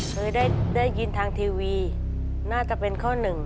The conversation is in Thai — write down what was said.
เธอได้ยินทางทีวีน่าจะเป็นข้อ๑